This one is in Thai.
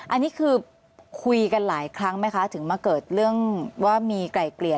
อันนี้คือคุยกันหลายครั้งไหมคะถึงมาเกิดเรื่องว่ามีไกลเกลี่ย